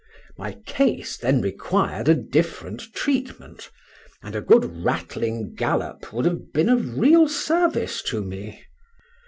My case then required a different treatment; and a good rattling gallop would have been of real service to me.